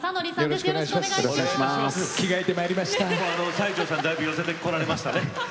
西城さんにだいぶ寄せてこられましたね。